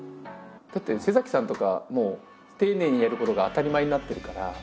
だってさんとかもう丁寧にやることが当たり前になってるから。